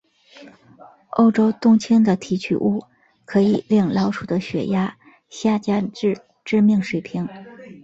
欧洲冬青的提取物可以令老鼠的血压下降至致命水平。